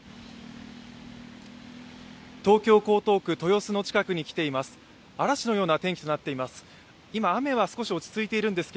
東京・江東区豊洲の近くに来ています。